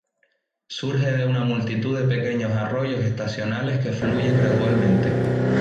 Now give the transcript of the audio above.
Surge de una multitud de pequeños arroyos estacionales que fluyen gradualmente.